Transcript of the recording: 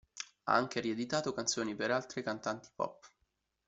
Ha anche ri-editato canzoni per altre cantanti pop.